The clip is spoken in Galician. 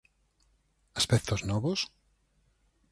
Aspectos novos?